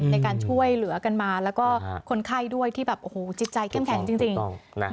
ในการช่วยเหลือกันมาและคนไข้ด้วยที่จิตใจแข็งจริง